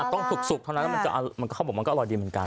ต้องสุกเท่านั้นเขาบอกมันก็อร่อยดีเหมือนกัน